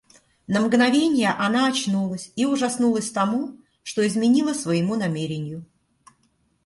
На мгновенье она очнулась и ужаснулась тому, что изменила своему намерению.